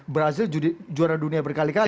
brazil juara dunia berkali kali